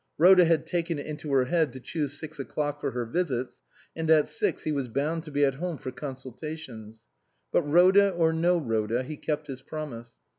Rhoda had taken it into her head to choose six o'clock for her visits, and at six he was bound to be at home for consultations. But Rhoda or no Rhoda, he kept his promise.